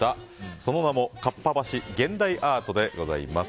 その名も合羽橋現代アートでございます。